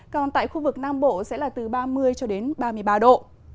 còn tại khu vực nam bộ sẽ là từ ba mươi ba mươi ba độ